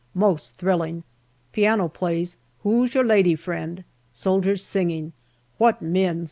Most thrilling. Piano plays " Who's your Lady Friend ?" soldiers singing. What men